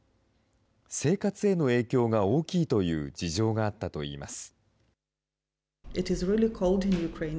生活への影響が大きいという事情があったといいます。